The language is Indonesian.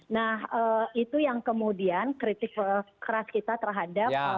nah itu yang kemudian kritik keras kita terhadap